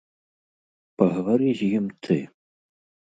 Пагавары з ім ты.